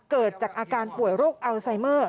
เกิดจากอาการป่วยโรคอัลไซเมอร์